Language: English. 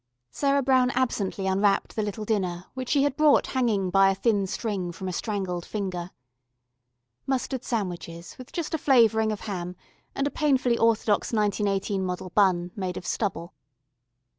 Sarah Brown absently unwrapped the little dinner which she had brought hanging by a thin string from a strangled finger. Mustard sandwiches with just a flavouring of ham, and a painfully orthodox 1918 model bun, made of stubble.